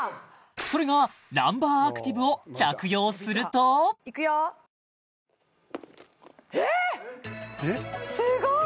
それがランバーアクティブを着用するといくよすごい！